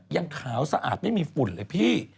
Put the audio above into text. ยังขาวสะอาดไม่มีฝุ่นเลยพี่